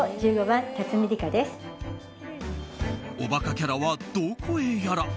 おバカキャラはどこへやら。